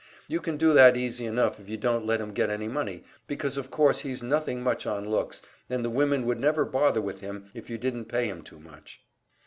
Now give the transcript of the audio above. You can do that easy enough if you don't let him get any money, because of course he's nothing much on looks, and the women would never bother with him if you didn't pay him too much.